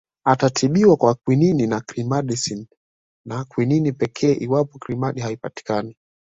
Atatibiwa kwa Kwinini na Clindamycin au Kwinini pekee iwapo Clindamycin haipatikani